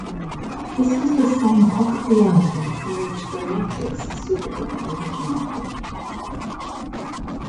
This was the same pocket reality from which the "Matrix" Supergirl originated.